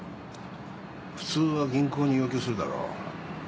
普通は銀行に要求するだろう。